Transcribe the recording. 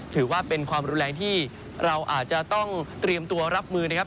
ถือว่าเป็นความรุนแรงที่เราอาจจะต้องเตรียมตัวรับมือนะครับ